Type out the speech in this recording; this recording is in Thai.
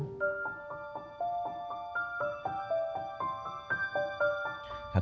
ตอนที่มันมีงานเรียงกับพ่อ